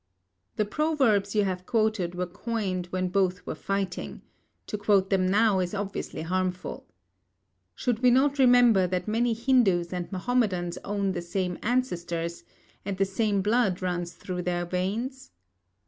The proverbs you have quoted were coined when both were fighting; to quote them now is obviously harmful. Should we not remember that many Hindus and Mahomedans own the same ancestors, and the same blood runs through their veins?